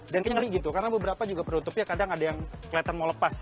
dan ngeri gitu karena beberapa juga penutupnya kadang ada yang keliatan mau lepas